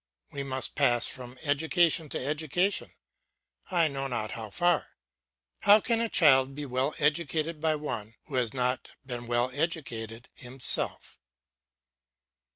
We must pass from education to education, I know not how far. How can a child be well educated by one who has not been well educated himself!